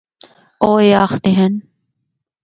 او اے آخدے ہن۔